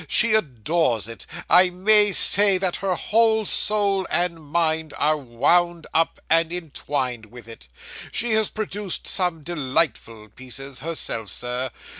She adores it; I may say that her whole soul and mind are wound up, and entwined with it. She has produced some delightful pieces, herself, sir.